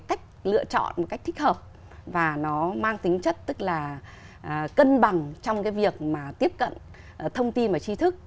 một cái cách lựa chọn một cách thích hợp và nó mang tính chất tức là cân bằng trong cái việc mà tiếp cận thông tin và tri thức